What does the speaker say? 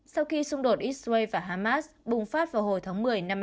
sau khi xung đột israel và hamas bùng phát vào hồi tháng một mươi năm hai nghìn hai mươi